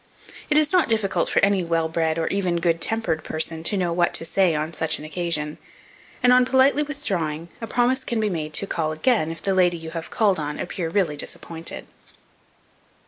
It is not difficult for any well bred or even good tempered person, to know what to say on such an occasion, and, on politely withdrawing, a promise can be made to call again, if the lady you have called on, appear really disappointed.